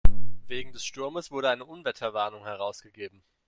Wegen des Sturmes wurde eine Unwetterwarnung herausgegeben.